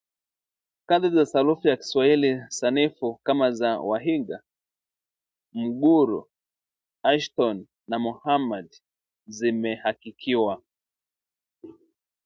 Kazi za sarufi ya Kiswahili Sanifu kama za Waihiga, Mgullu, Ashton na Mohammed zimehakikiwa